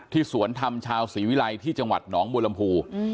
ที่สวนธรรมชาวศรีวิรัยที่จังหวัดหนองบูรรณภู